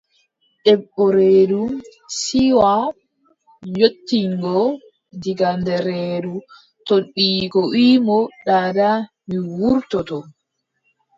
Debbo reedu, siwaa yottingo, diga nder reedu ton ɓiyiiko wiʼi mo: daada mi wurtoto.